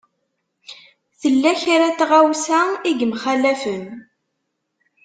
Tella kra n tɣawsa i yemxalafen.